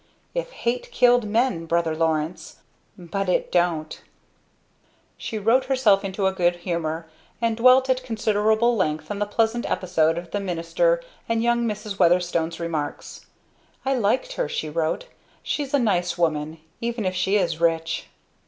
'If hate killed men, Brother Lawrence!' but it don't." She wrote herself into a good humor, and dwelt at considerable length on the pleasant episode of the minister and young Mrs. Weatherstone's remarks. "I liked her," she wrote. "She's a nice woman even if she is rich."